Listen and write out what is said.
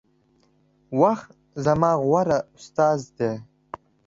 وخت زما غوره استاذ دے